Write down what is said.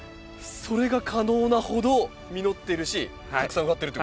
それが可能なほど実ってるしたくさん植わってるってことですね。